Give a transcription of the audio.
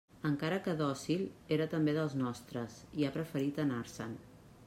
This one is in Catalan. Encara que dòcil, era també dels nostres, i ha preferit anar-se'n.